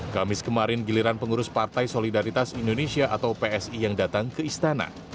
kamis kemarin giliran pengurus partai solidaritas indonesia atau psi yang datang ke istana